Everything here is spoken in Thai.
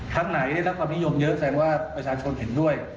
ครั้งไหนได้รับความนิยมเยอะแสดงว่าประชาชนเห็นด้วย